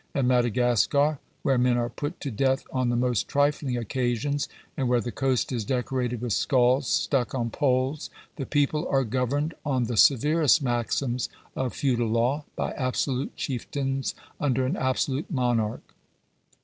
In Madagascar, where men are put to death on the most trifling occasions, and where the coast is decorated with skulls stuck on poles, the people are governed on the severest maxims of feudal law, by absolute chieftains under an absolute monarch.